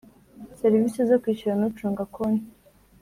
Serivisi zo kwishyurana ucunga konti